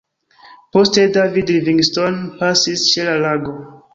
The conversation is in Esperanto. Poste David Livingstone pasis ĉe la lago.